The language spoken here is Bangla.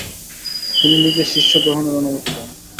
তিনি নিজে শিষ্য গ্রহণের অনুমতি পান।